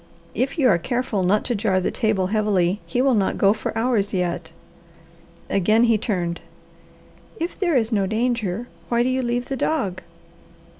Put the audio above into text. If you are careful not to jar the table heavily he will not go for hours yet." Again he turned. "If there is no danger, why do you leave the dog?"